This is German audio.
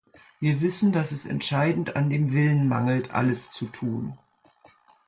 Wir wissen, dass es entscheidend an dem Willen mangelt, "alles" zu tun.